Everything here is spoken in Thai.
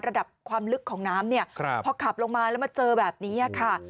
ระดับความลึกของน้ำเนี่ยพอขับลงมาแล้วมาเจอแบบนี้ค่ะ